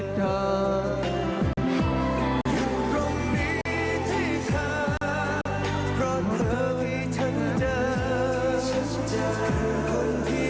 ได้พบเธอ